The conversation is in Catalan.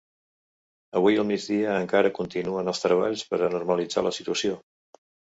Avui al migdia encara continuen els treballs per a normalitzar la situació.